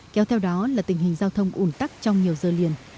kéo theo đó là tình hình giao thông ủn tắc trong nhiều giờ liền